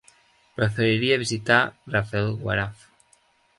Preferiria visitar Rafelguaraf.